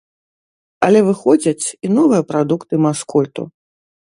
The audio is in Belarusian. Але выходзяць і новыя прадукты маскульту.